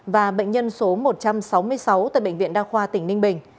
và bệnh nhân số một trăm sáu mươi sáu tại bệnh viện đa khoa tỉnh ninh bình